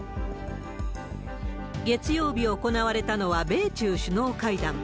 月曜日行われたのは、米中首脳会談。